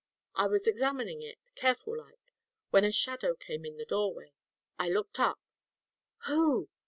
I was examining it careful like when a shadow came in the doorway. I looked up " "Who?"